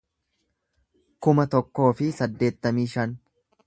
kuma tokkoo fi saddeettamii shan